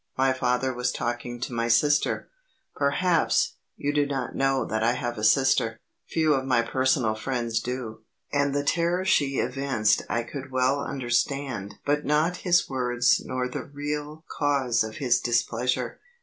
My father was talking to my sister perhaps, you do not know that I have a sister; few of my personal friends do, and the terror she evinced I could well understand but not his words nor the real cause of his displeasure.